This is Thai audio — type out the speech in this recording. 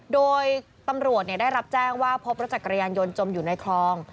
โดยตำรวจได้รับแจ้งว่าพบรถจักรยานยนต์จมอยู่ในคลอง